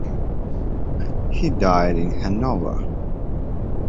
He died in Hannover.